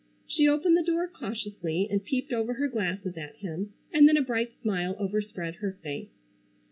She opened the door cautiously and peeped over her glasses at him, and then a bright smile overspread her face.